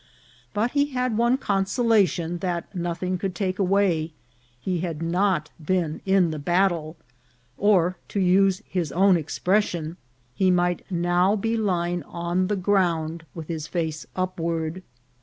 But he had one consolation that nothing could take away : he had not been in the battle, or, to use his own expression, he might now be lying on the ground with his face upward.